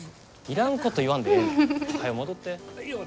いらんこと言わんでええねん。